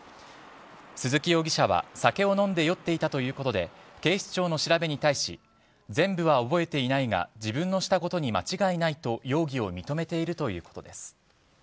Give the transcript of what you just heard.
鈴木容疑者は、酒を飲んで酔っていたということで警視庁の調べに対し全部は覚えていないが自分のしたことに間違いないと容疑を認めているということです。